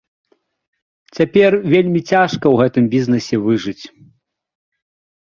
Цяпер вельмі цяжка ў гэтым бізнесе выжыць.